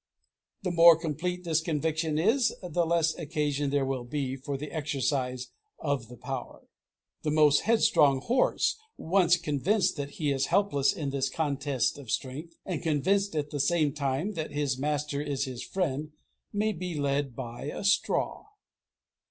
The more complete this conviction is, the less occasion there will be for the exercise of the power. The most headstrong horse, once convinced that he is helpless in this contest of strength, and convinced at the same time that his master is his friend, may be led by a straw.